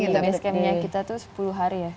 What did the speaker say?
basecampnya kita tuh sepuluh hari ya